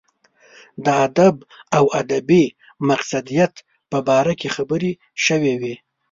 د ادب او ادبي مقصدیت په باره کې خبرې شوې وې.